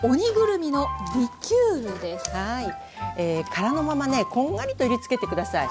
はい殻のままねこんがりといりつけて下さい。